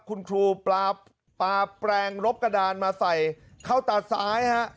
คุณครูปลาแปลงรบกระดานมาใส่เข้าตาซ้ายฮะ